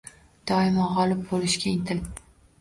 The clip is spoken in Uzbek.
Doimo g‘olib bo‘lishga intil.